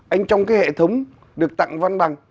anh trong cái hệ thống được tặng văn bằng